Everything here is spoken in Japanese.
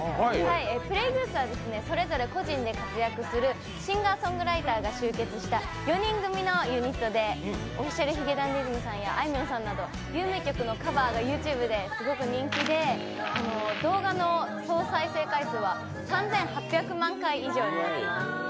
Ｐｌａｙ．Ｇｏｏｓｅはそれぞれ個人で活躍するシンガーソングライターが集結した４人組のユニットでＯｆｆｉｃｉａｌ髭男ｄｉｓｍさんやあいみょんさんなど、有名曲のカバーがＹｏｕＴｕｂｅですごく人気で、動画の総再生回数は３８００万回以上になります。